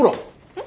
え？